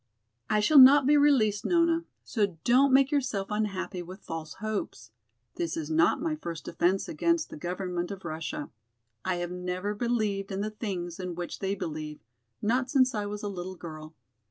"I shall not be released, Nona, so don't make yourself unhappy with false hopes. This is not my first offense against the government of Russia. I have never believed in the things in which they believe, not since I was a little girl.